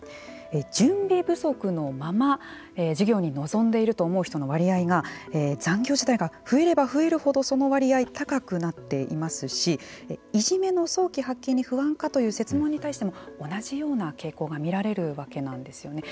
準備不足のまま授業に臨んでいると思う人の割合が残業時間が増えれば増えるほどその割合は高くなっていますしいじめの早期発見に不安かという設問に対しても同じような傾向が見られるわけなんですよね。